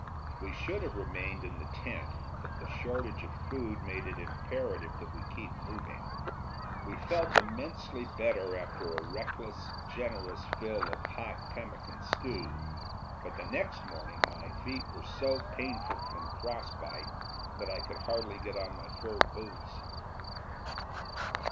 We should have remained in the tent, but the shortage of food made it imperative that we keep moving. We felt immensely better after a reckless, generous fill of hot pemmican stew; but the next morning my feet were so painful from frost bite that I could hardly get on my fur boots.